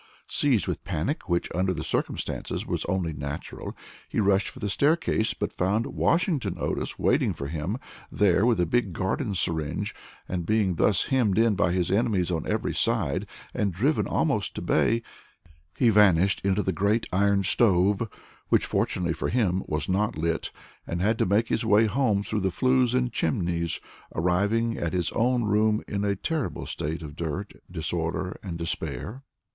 Seized with a panic, which, under the circumstances, was only natural, he rushed for the staircase, but found Washington Otis waiting for him there with the big garden syringe, and being thus hemmed in by his enemies on every side, and driven almost to bay, he vanished into the great iron stove, which, fortunately for him, was not lit, and had to make his way home through the flues and chimneys, arriving at his own room in a terrible state of dirt, disorder, and despair.